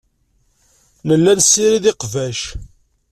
Nella nessirid iqbac.